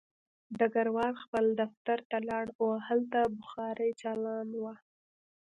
ډګروال خپل دفتر ته لاړ او هلته بخاري چالان وه